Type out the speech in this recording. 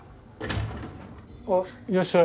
あいらっしゃい。